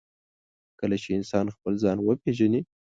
کله چې انسان خپل ځان وپېژني.